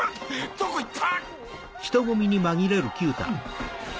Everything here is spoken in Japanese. どこ行った！